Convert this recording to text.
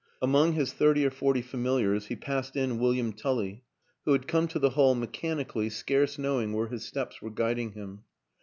Among his thirty or forty familiars he passed in William Tully who had come to the hall mechanically, scarce knowing where his steps were guiding him.